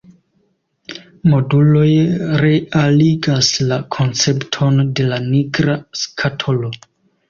Moduloj realigas la koncepton de la nigra skatolo.